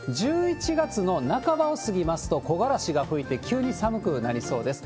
１１月の半ばを過ぎますと、木枯らしが吹いて、急に寒くなりそうです。